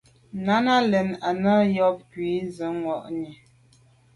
Nana lɛ̂n á nə yǒbkwì gə zí’ mwα̂ʼnì.